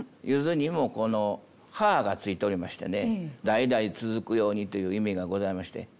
柚子にもこの葉がついておりましてね代々続くようにという意味がございまして。